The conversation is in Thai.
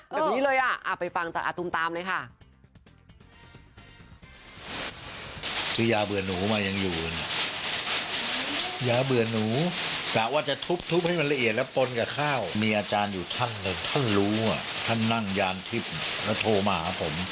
แบบนี้เลยไปฟังจากอาตุมตามเลยค่ะ